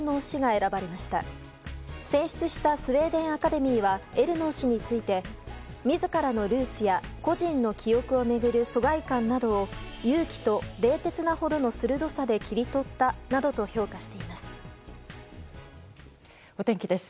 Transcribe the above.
選出したスウェーデン・アカデミーはエルノー氏について自らのルーツや個人の記憶を巡る疎外感などを勇気と冷徹なほどの鋭さで切り取ったなどと評価しています。